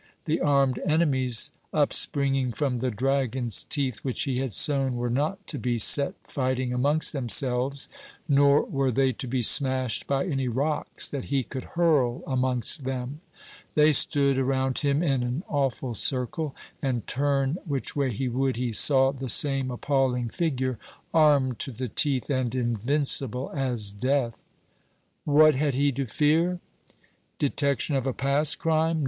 The armed enemies up springing from the dragon's teeth which he had sown were not to be set fighting amongst themselves, nor were they to be smashed by any rocks that he could hurl amongst them. They stood around him in an awful circle, and turn which way he would, he saw the same appalling figure, armed to the teeth, and invincible as death. What had he to fear? Detection of a past crime?